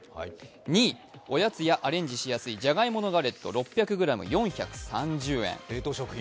２位、おやつやアレンジしやすいジャガイモのガレット６００ｇ４３０円。